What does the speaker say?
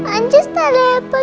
anjir setelah apa